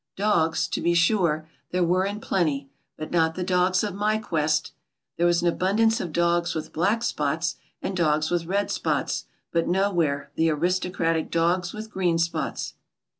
Dogs, to be sure, there were in plenty but not the dogs of my quest. There was an abundance of dogs with black spots and dogs with red spots; but nowhere the aristocratic dogs with green spots.